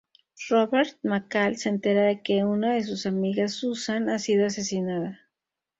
Robert McCall se entera de que una de sus amigas, Susan, ha sido asesinada.